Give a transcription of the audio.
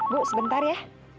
bu sebentar ya